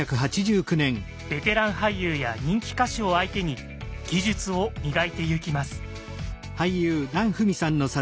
ベテラン俳優や人気歌手を相手に技術を磨いてゆきます。